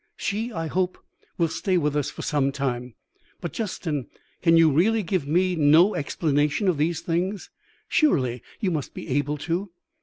"She, I hope, will stay with us for some time. But, Justin, can you really give no explanation of these things? Surely you must be able to?"